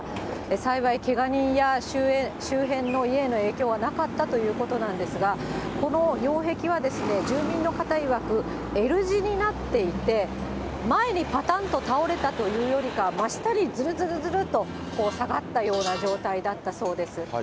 幸いけが人や周辺の家への影響はなかったということなんですが、この擁壁は、住民の方いわく、Ｌ字になっていて、前にぱたんと倒れたというよりかは、真下にずるずるずると、下がったような状態だったそうです。